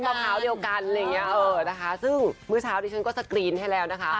เมื่อเช้าเดียวกันซึ่งเมื่อเช้าที่ฉันก็สกรีนให้แล้วนะคะ